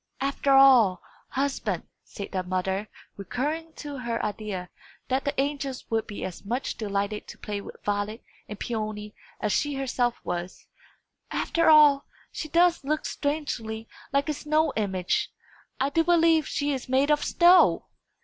"After all, husband," said the mother, recurring to her idea that the angels would be as much delighted to play with Violet and Peony as she herself was "after all, she does look strangely like a snow image! I do believe she is made of snow!"